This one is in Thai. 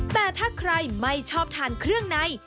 แต่ถ้าใครไม่ชอบทานเครื่องใน